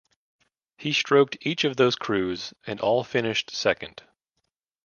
He stroked each of those crews and all finished second.